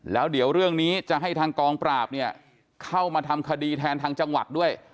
แล้วเดี๋ยวเรื่องนี้จะให้ทางกองปราบเนี่ยเข้ามาทำคดีแทนทางจังหวัดด้วย